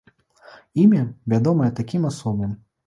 Імя вядомае такім асобам.